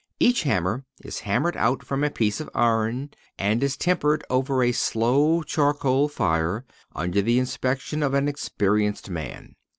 Each hammer is hammered out from a piece of iron, and is tempered over a slow charcoal fire, under the inspection of an experienced man.